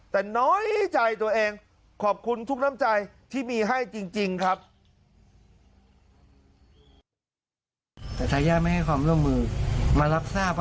แต่น้อยใจตัวเองขอบคุณทุกน้ำใจที่มีให้จริงครับ